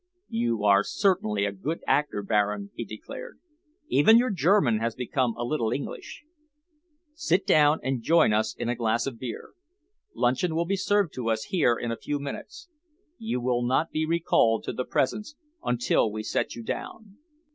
"You are certainly a good actor, Baron," he declared. "Even your German has become a little English. Sit down and join us in a glass of beer. Luncheon will be served to us here in a few minutes. You will not be recalled to the Presence until we set you down."